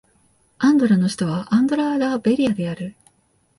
アンドラの首都はアンドラ・ラ・ベリャである